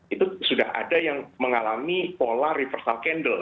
itu sudah ada yang mengalami pola reversal candel